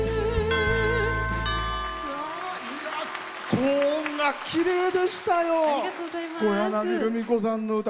高音がきれいでしたよ。